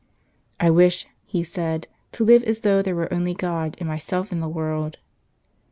" I wish," he said, " to live as though there were only God and myself in the world."